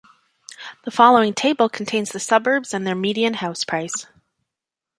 The following table contains the suburbs and their median house price.